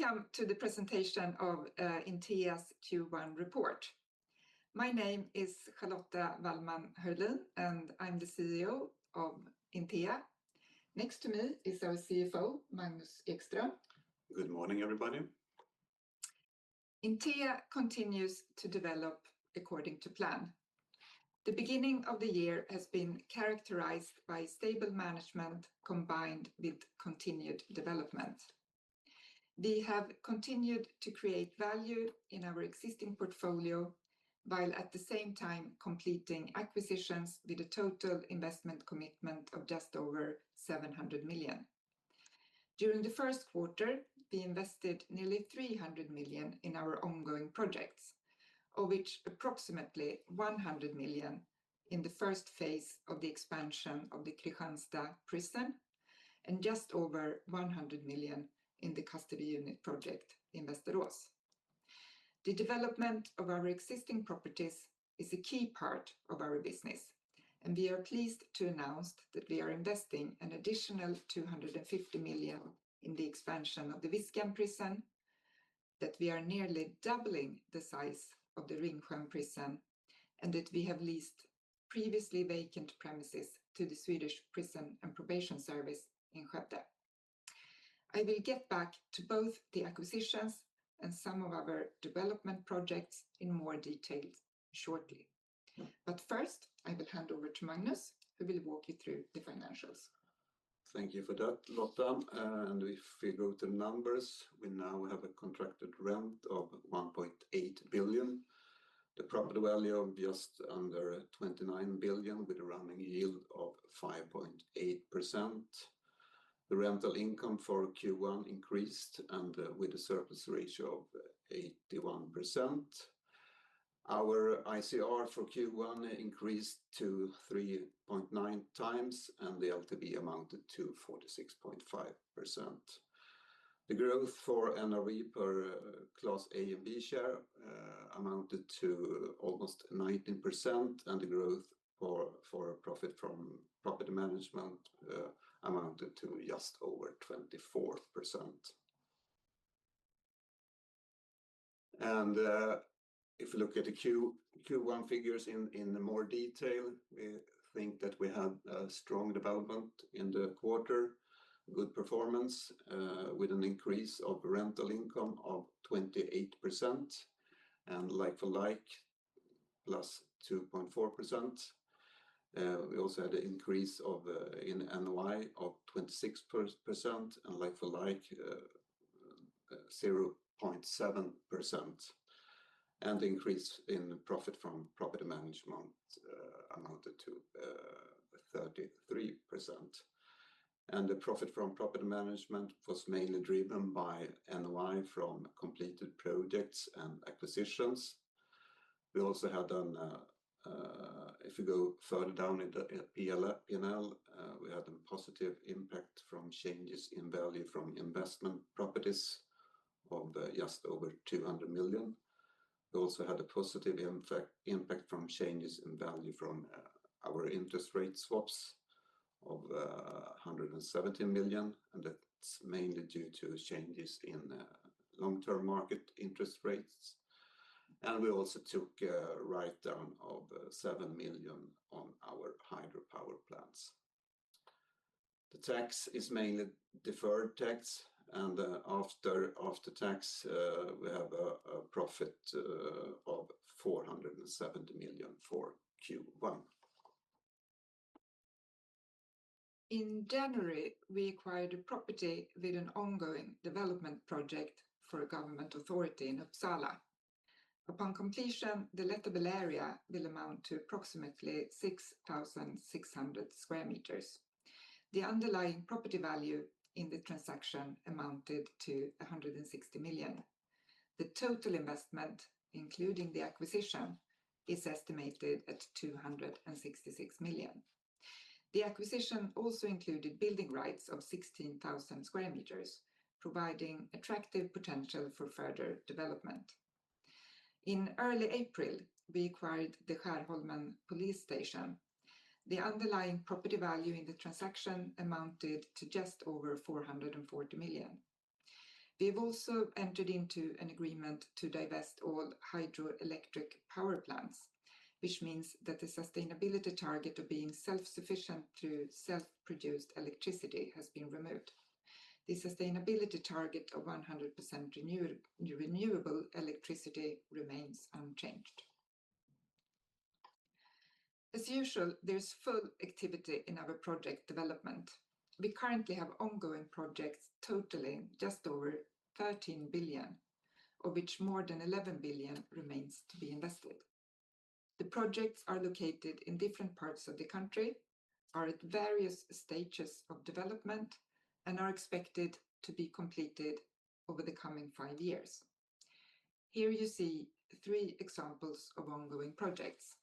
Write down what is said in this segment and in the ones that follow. Welcome to the presentation of Intea's Q1 report. My name is Charlotta Wallman Hörlin, and I'm the CEO of Intea. Next to me is our CFO, Magnus Ekström. Good morning, everybody. Intea continues to develop according to plan. The beginning of the year has been characterized by stable management, combined with continued development. We have continued to create value in our existing portfolio, while at the same time completing acquisitions with a total investment commitment of just over 700 million. During the first quarter, we invested nearly 300 million in our ongoing projects, of which approximately 100 million in the first phase of the expansion of the Kristianstad prison, and just over 100 million in the custody unit project in Västerås. The development of our existing properties is a key part of our business, and we are pleased to announce that we are investing an additional 250 million in the expansion of the Viskan prison, that we are nearly doubling the size of the Ringsjön prison, and that we have leased previously vacant premises to the Swedish Prison and Probation Service in Skövde. I will get back to both the acquisitions and some of our development projects in more detail shortly. First, I will hand over to Magnus, who will walk you through the financials. Thank you for that, Lotta. If we go to numbers, we now have a contracted rent of 1.8 billion. The property value of just under 29 billion, with a running yield of 5.8%. The rental income for Q1 increased and with a surplus ratio of 81%. Our ICR for Q1 increased to 3.9x, and the LTV amounted to 46.5%. The growth for NRV per Class A and B share amounted to almost 19%, and the growth for profit from property management amounted to just over 24%. If you look at the Q1 figures in more detail, we think that we had a strong development in the quarter. Good performance with an increase of rental income of 28%, and like-for-like plus 2.4%. We also had an increase in NOI of 26%, and like-for-like 0.7%. The increase in profit from property management amounted to 33%. The profit from property management was mainly driven by NOI from completed projects and acquisitions. If we go further down in the P&L, we had a positive impact from changes in value from investment properties of just over 200 million. We also had a positive impact from changes in value from our interest rate swaps of 170 million, and that's mainly due to changes in long-term market interest rates. We also took a write-down of 7 million on our hydropower plants. The tax is mainly deferred tax, and after tax, we have a profit of 470 million for Q1. In January, we acquired a property with an ongoing development project for a government authority in Uppsala. Upon completion, the lettable area will amount to approximately 6,600 sq m. The underlying property value in the transaction amounted to 160 million. The total investment, including the acquisition, is estimated at 266 million. The acquisition also included building rights of 16,000 sq m, providing attractive potential for further development. In early April, we acquired the Skärholmen Police Station. The underlying property value in the transaction amounted to just over 440 million. We have also entered into an agreement to divest all hydroelectric power plants, which means that the sustainability target of being self-sufficient through self-produced electricity has been removed. The sustainability target of 100% renewable electricity remains unchanged. As usual, there's full activity in our project development. We currently have ongoing projects totaling just over 13 billion, of which more than 11 billion remains to be invested. The projects are located in different parts of the country, are at various stages of development, and are expected to be completed over the coming five years. Here you see three examples of ongoing projects.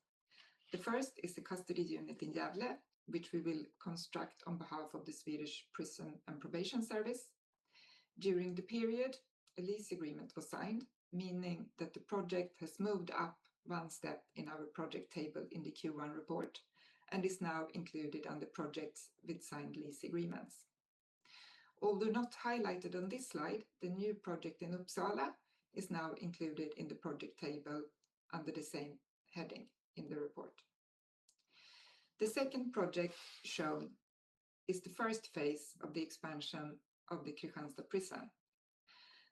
The first is the custody unit in Gävle, which we will construct on behalf of the Swedish Prison and Probation Service. During the period, a lease agreement was signed, meaning that the project has moved up one step in our project table in the Q1 report and is now included under projects with signed lease agreements. Although not highlighted on this slide, the new project in Uppsala is now included in the project table under the same heading in the report. The second project shown is the first phase of the expansion of the Kristianstad prison.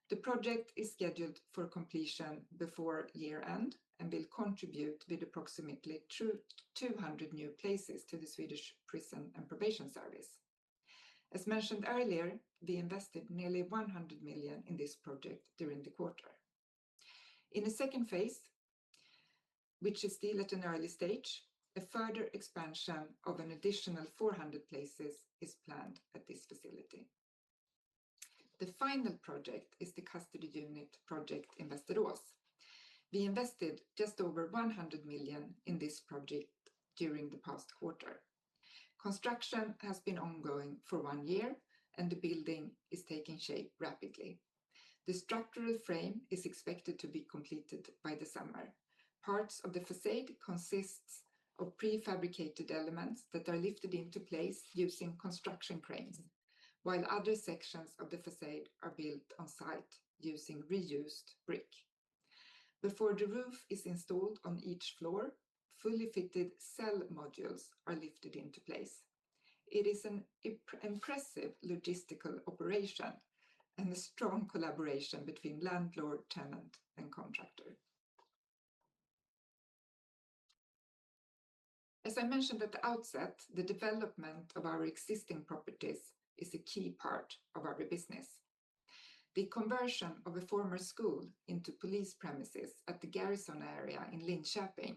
The project is scheduled for completion before year-end, and will contribute with approximately 200 new places to the Swedish Prison and Probation Service. As mentioned earlier, we invested nearly 100 million in this project during the quarter. In the second phase, which is still at an early stage, a further expansion of an additional 400 places is planned at this facility. The final project is the custody unit project in Västerås. We invested just over 100 million in this project during the past quarter. Construction has been ongoing for one year, and the building is taking shape rapidly. The structural frame is expected to be completed by the summer. Parts of the façade consists of prefabricated elements that are lifted into place using construction cranes, while other sections of the façade are built on site using reused brick. Before the roof is installed on each floor, fully fitted cell modules are lifted into place. It is an impressive logistical operation and a strong collaboration between landlord, tenant, and contractor. As I mentioned at the outset, the development of our existing properties is a key part of our business. The conversion of a former school into police premises at the garrison area in Linköping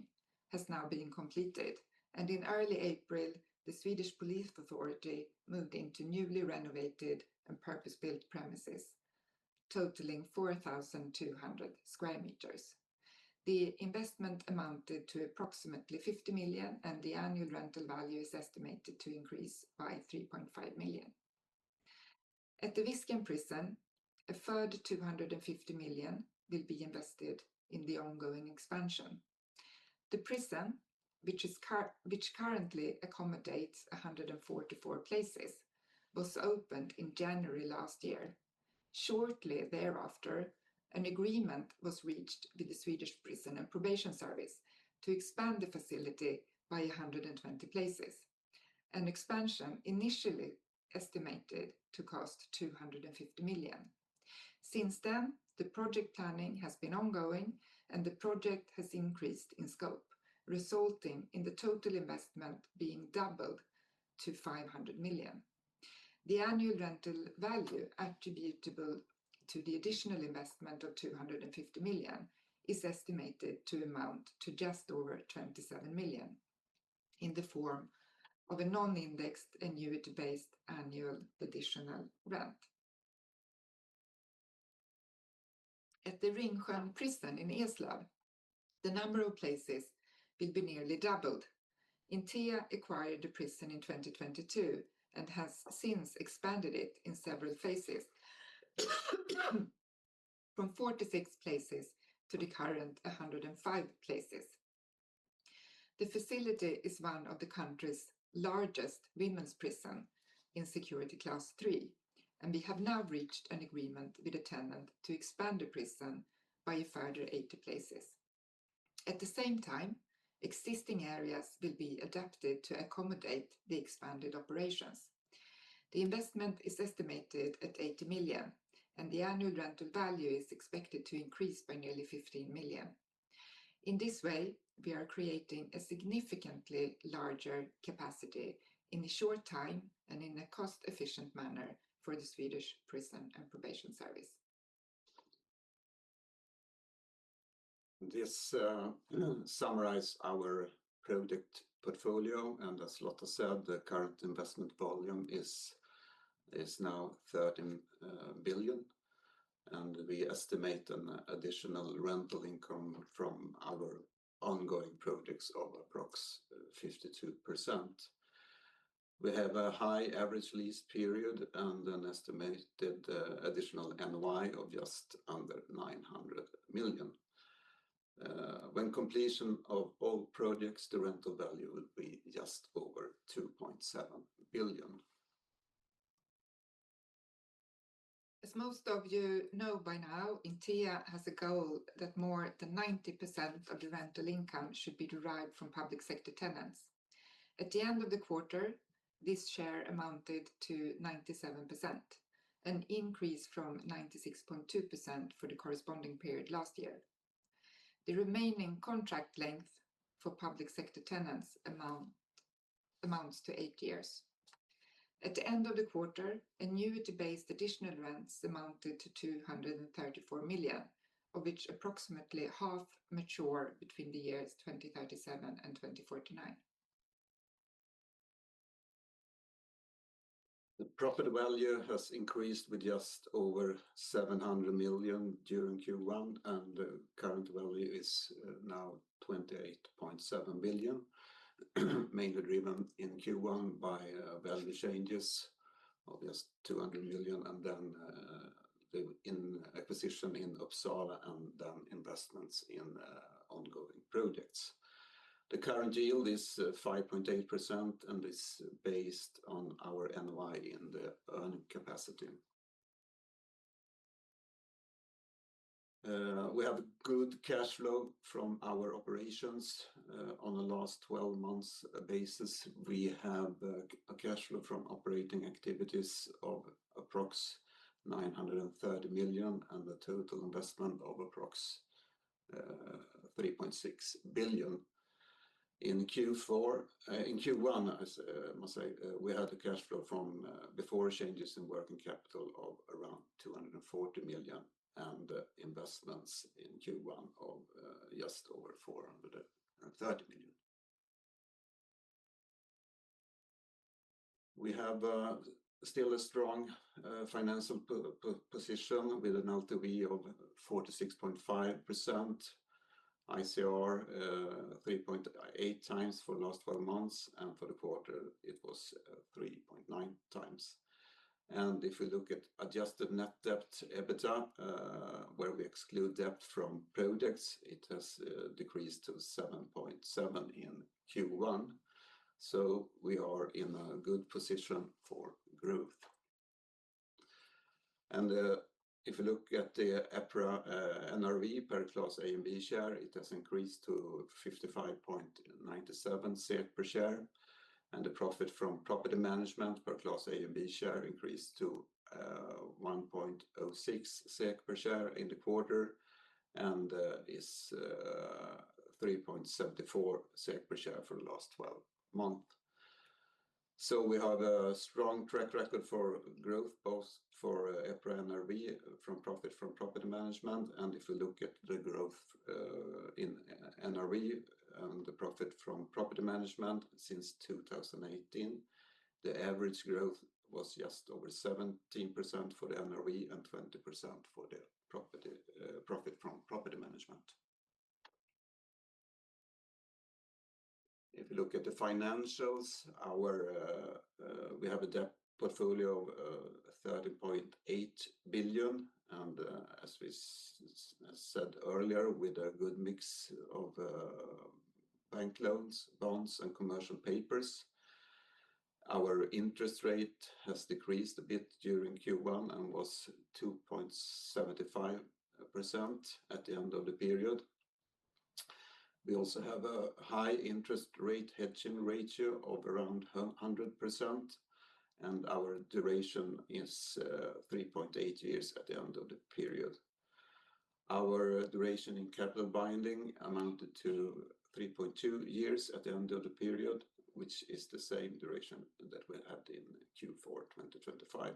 has now been completed, and in early April, the Swedish Police Authority moved into newly renovated and purpose-built premises totaling 4,200 sq m. The investment amounted to approximately 50 million, and the annual rental value is estimated to increase by 3.5 million. At the Viskan Prison, a further 250 million will be invested in the ongoing expansion. The prison, which currently accommodates 144 places, was opened in January last year. Shortly thereafter, an agreement was reached with the Swedish Prison and Probation Service to expand the facility by 120 places, an expansion initially estimated to cost 250 million. Since then, the project planning has been ongoing, and the project has increased in scope, resulting in the total investment being doubled to 500 million. The annual rental value attributable to the additional investment of 250 million is estimated to amount to just over 27 million in the form of a non-indexed, annuity-based annual additional rent. At the Ringsjön Prison in Eslöv, the number of places will be nearly doubled. Intea acquired the prison in 2022 and has since expanded it in several phases from 46 places to the current 105 places. The facility is one of the country's largest women's prison in security class three, and we have now reached an agreement with the tenant to expand the prison by a further 80 places. At the same time, existing areas will be adapted to accommodate the expanded operations. The investment is estimated at 80 million, and the annual rental value is expected to increase by nearly 15 million. In this way, we are creating a significantly larger capacity in a short time and in a cost-efficient manner for the Swedish Prison and Probation Service. This summarizes our property portfolio, and as Lotta said, the current investment volume is now 13 billion. We estimate an additional rental income from our ongoing projects of approximately 52%. We have a high average lease period and an estimated additional NOI of just under 900 million. When completion of all projects, the rental value will be just over 2.7 billion. As most of you know by now, Intea has a goal that more than 90% of the rental income should be derived from public sector tenants. At the end of the quarter, this share amounted to 97%, an increase from 96.2% for the corresponding period last year. The remaining contract length for public sector tenants amounts to eight years. At the end of the quarter, annuity-based additional rents amounted to 234 million, of which approximately half mature between the years 2037 and 2049. The property value has increased with just over 700 million during Q1, and the current value is now 28.7 billion. Mainly driven in Q1 by value changes of just 200 million and then the acquisition in Uppsala and then investments in ongoing projects. The current yield is 5.8% and is based on our NOI in the earning capacity. We have good cash flow from our operations. On the last 12 months basis, we have a cash flow from operating activities of approx. 930 million and the total investment of approx. 3.6 billion. In Q1, I must say, we had a cash flow from before changes in working capital of around 240 million, and investments in Q1 of just over 430 million. We have still a strong financial position with an LTV of 46.5%, ICR 3.8 times for the last 12 months, and for the quarter it was 3.9 times. If we look at Adjusted Net Debt/EBITDA, where we exclude debt from projects, it has decreased to 7.7 in Q1. We are in a good position for growth. If you look at the EPRA NRV per Class A and B share, it has increased to 55.97 per share, and the profit from property management per Class A and B share increased to 1.06 SEK per share in the quarter, and is 3.74 SEK per share for the last 12 months. We have a strong track record for growth, both for EPRA NRV from profit from property management. If we look at the growth in NRV and the profit from property management since 2018, the average growth was just over 17% for the NRV and 20% for the profit from property management. If you look at the financials, we have a debt portfolio of 30.8 billion and as we said earlier, with a good mix of bank loans, bonds, and commercial papers. Our interest rate has decreased a bit during Q1 and was 2.75% at the end of the period. We also have a high interest rate hedging ratio of around 100%, and our duration is 3.8 years at the end of the period. Our duration in capital binding amounted to 3.2 years at the end of the period, which is the same duration that we had in Q4 2025.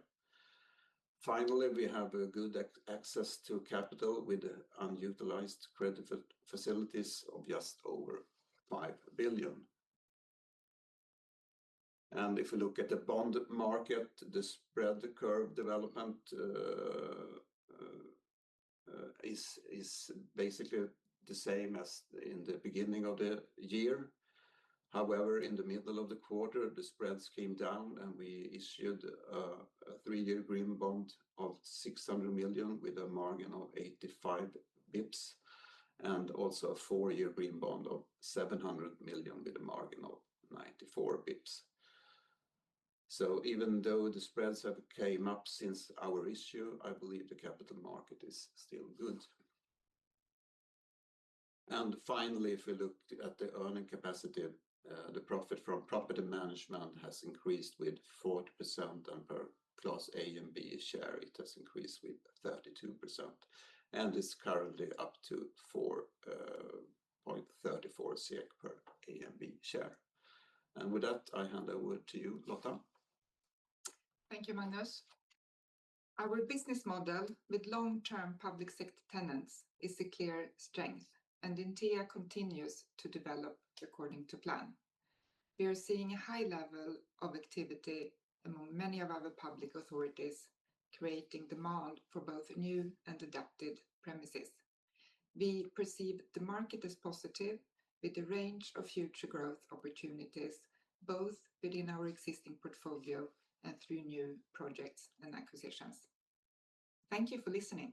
Finally, we have a good access to capital with unutilized credit facilities of just over 5 billion. If we look at the bond market, the spread curve development is basically the same as in the beginning of the year. However, in the middle of the quarter, the spreads came down and we issued a three-year green bond of 600 million with a margin of 85 bps, and also a four-year green bond of 700 million with a margin of 94 bps. Even though the spreads have came up since our issue, I believe the capital market is still good. Finally, if we look at the earning capacity, the profit from property management has increased with 40%, and per Class A and B share, it has increased with 32% and is currently up to 4.34 per A and B share. With that, I hand over to you, Lotta. Thank you, Magnus. Our business model with long-term public sector tenants is a clear strength, and Intea continues to develop according to plan. We are seeing a high level of activity among many of our public authorities, creating demand for both new and adapted premises. We perceive the market as positive with a range of future growth opportunities, both within our existing portfolio and through new projects and acquisitions. Thank you for listening.